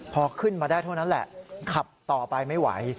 พอขึ้นมาได้เท่านั้นแหละขับต่อไปไม่ไหว